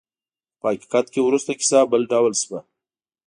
خو په حقیقت کې وروسته کیسه بل ډول شوه.